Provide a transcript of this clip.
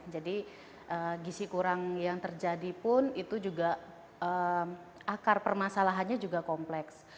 jadi gisi kurang yang terjadi pun itu juga akar permasalahannya juga kompleks